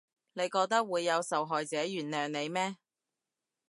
你覺得會有受害者原諒你咩？